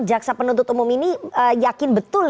jaksa penuntut umum ini yakin betul